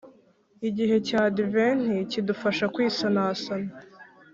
igihe cya adventi kidufasha kwisanasana